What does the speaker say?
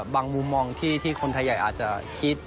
มุมมองที่คนไทยใหญ่อาจจะคิด